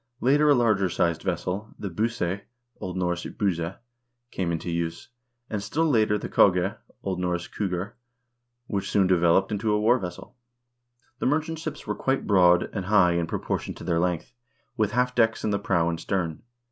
Later a larger sized vessel, the busse 1 (O. N. buza), came into use, and still later the kogge (O. N. kuggr), which soon developed into a war vessel. The nuTchant ships were quite broad and high in proportion to their length, with half decks in the prow and stern.